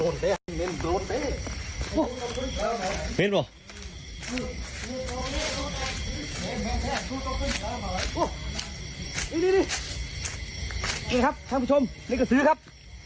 นี่ครับท่านผู้ชมนี่กระสือครับ